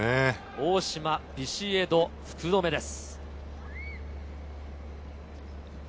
大島、ビシエド、福留です。